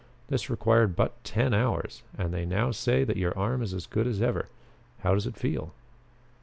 This required but ten hours and they now say that your arm is as good as ever. How does it feel?"